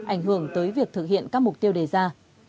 ảnh hưởng tới việc thực hiện các mục tiêu đề ra